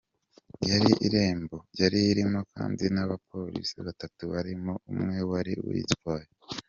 Yari irimo kandi n’abapolisi batatu barimo umwe wari uyitwaye.